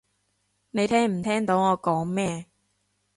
你聽唔聽到我講咩？